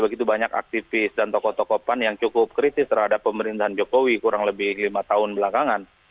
begitu banyak aktivis dan tokoh tokoh pan yang cukup kritis terhadap pemerintahan jokowi kurang lebih lima tahun belakangan